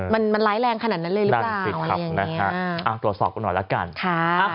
มันมันร้ายแรงขนาดนั้นเลยหรือเปล่านะฮะตรวจสอบกันหน่อยละกันค่ะ